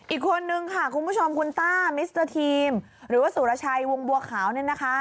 อีกคนนึงค่ะคุณผู้ชมคุณต้ามิสเตอร์ทีมหรือว่าสุรชัยวงบัวขาวเนี่ยนะคะ